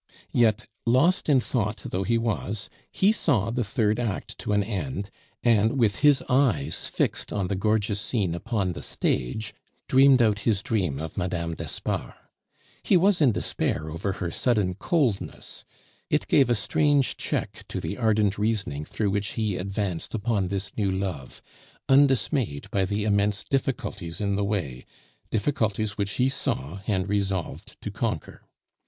Yet, lost in thought though he was, he saw the third act to an end, and, with his eyes fixed on the gorgeous scene upon the stage, dreamed out his dream of Mme. d'Espard. He was in despair over her sudden coldness; it gave a strange check to the ardent reasoning through which he advanced upon this new love, undismayed by the immense difficulties in the way, difficulties which he saw and resolved to conquer.